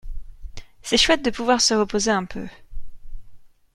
C'est chouette de pouvoir se reposer un peu.